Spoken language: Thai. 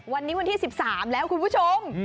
วันนี้วันที่๑๓แล้วคุณผู้ชม